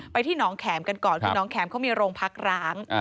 ที่หนองแขมกันก่อนคือน้องแข็มเขามีโรงพักร้าง